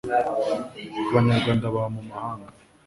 abanyarwanda baba mu mahanga